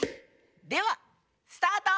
ではスタート！